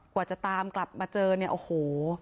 กว่าจะตามกลับมาเจอเนี่ยโอ้โห